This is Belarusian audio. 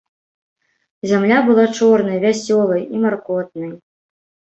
Зямля была чорнай, вясёлай і маркотнай.